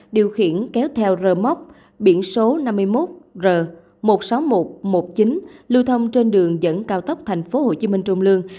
điều khiển kéo theo rơ móc biển số năm mươi một r một mươi sáu nghìn một trăm một mươi chín lưu thông trên đường dẫn cao tốc tp hcm trung lương